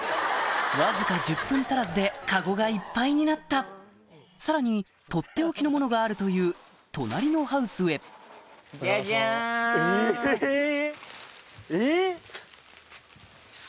わずか１０分足らずでカゴがいっぱいになったさらにとっておきのものがあるという隣のハウスへえぇ！